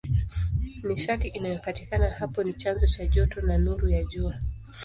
Nishati inayopatikana hapo ni chanzo cha joto na nuru ya Jua.